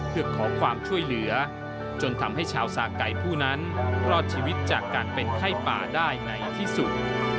เพื่อขอความช่วยเหลือจนทำให้ชาวสาไก่ผู้นั้นรอดชีวิตจากการเป็นไข้ป่าได้ในที่สุด